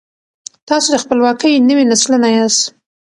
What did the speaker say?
تاسو د خپلواکۍ نوي نسلونه یاست.